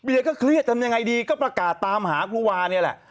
เดียก็เครียดทำยังไงดีก็ประกาศตามหาครูวาเนี่ยแหละ